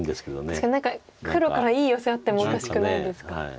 確かに何か黒からいいヨセあってもおかしくないですか。